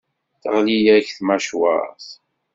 Teɣli-yak tmacwart.